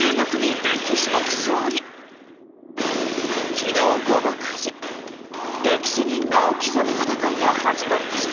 昨日午後９時歴史に名を刻む戦いが始まりました。